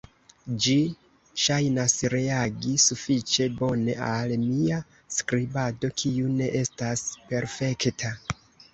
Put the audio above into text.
Ĝi ŝajnas reagi sufiĉe bone al mia skribado, kiu ne estas perfekta.